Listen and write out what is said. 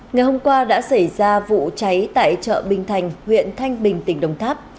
ngày hôm qua đã xảy ra vụ cháy tại chợ bình thành huyện thanh bình tỉnh đồng tháp